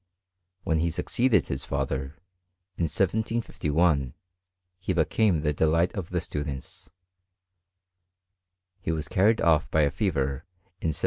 When he succeeded his fatlier, in 1751 , he became the delight of the students. He wai carried off by a fever in 1757.